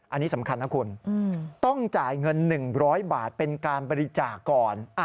อันนี้สำคัญนะคุณต้องจ่ายเงิน๑๐๐บาทเป็นการบริจาคก่อน